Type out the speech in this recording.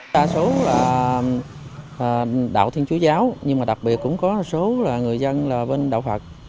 đa số là đạo thiên chúa giáo nhưng mà đặc biệt cũng có số là người dân là bên đạo phật